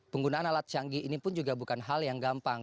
penggunaan alat canggih ini pun juga bukan hal yang gampang